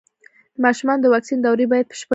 د ماشومانو د واکسین دورې بايد بشپړې شي.